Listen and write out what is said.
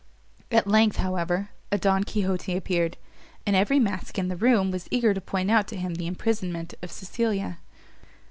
At length, however, a Don Quixote appeared, and every mask in the room was eager to point out to him the imprisonment of Cecilia.